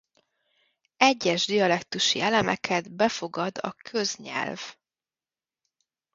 Egyes dialektusi elemeket befogad a köznyelv.